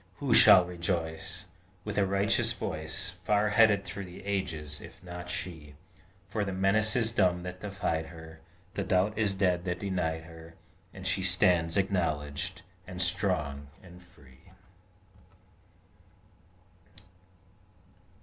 Who shall rejoice With a righteous voice, Far heard through the ages, if not she? For the menace is dumb that defied her, The doubt is dead that denied her, And she stands acknowledged, and strong, and free!